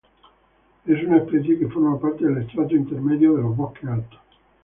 Es una especie que forma parte del estrato intermedio de los bosques altos.